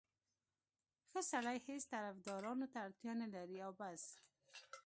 ښه سړی هېڅ طفدارانو ته اړتیا نه لري او بس.